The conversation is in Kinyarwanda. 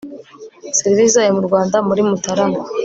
serivisi zayo mu Rwanda muri Mutarama